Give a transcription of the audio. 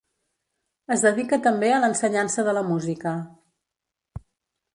Es dedica també a l'ensenyança de la música.